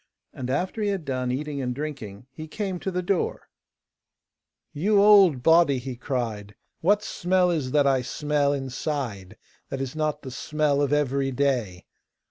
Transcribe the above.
And after he had done eating and drinking he came to the door: 'You old body!' he cried; 'what smell is that I smell inside that is not the smell of every day?